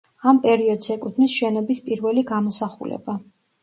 ამ პერიოდს ეკუთვნის შენობის პირველი გამოსახულება.